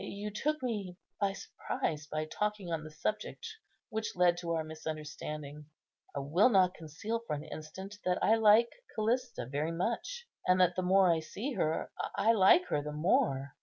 You took me by surprise by talking on the subject which led to our misunderstanding. I will not conceal for an instant that I like Callista very much; and that the more I see her, I like her the more.